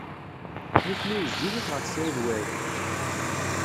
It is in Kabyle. Nitni wezzilit ɣef Saɛid Waɛli.